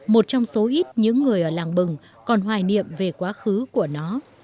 một trong số ít những người ở làng bừng còn hoài niệm về quá khứ của nó